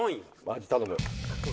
マジ頼む。